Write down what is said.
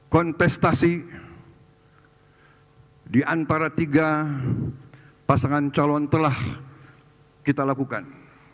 kontestasi di antara tiga pasangan calon telah kita lakukan